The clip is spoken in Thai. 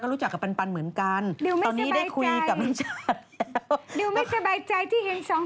ดิวไม่สบายใจที่เห็นสองคนพลอกกัน